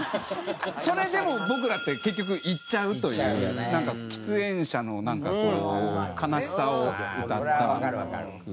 それでも僕らって結局行っちゃうという喫煙者のなんかこう悲しさを歌った句ですね。